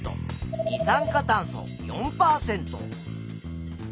二酸化炭素４％。